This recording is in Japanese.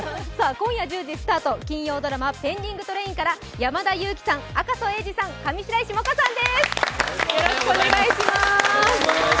今夜１０時スタート、金曜ドラマ「ペンディングトレイン」から山田裕貴さん、赤楚衛二さん、上白石萌歌さんです、よろしくお願いします。